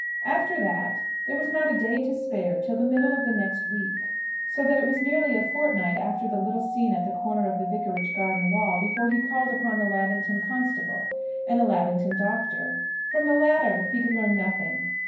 After that there was not a day to spare till the middle of the next week; so that it was nearly a fortnight after the little scene at the corner of the Vicarage garden wall before he called upon the Lavington constable and the Lavington doctor. From the latter he could learn nothing.